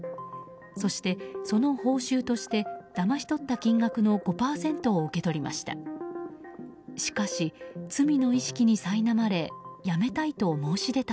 そして、その報酬としてだまし取った金額の５％を受け取りました。